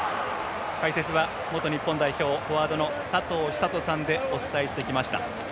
解説は元日本代表フォワードの佐藤寿人さんでお伝えしてきました。